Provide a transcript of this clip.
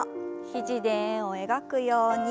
肘で円を描くように。